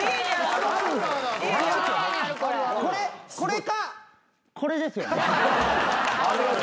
これかこれですよね。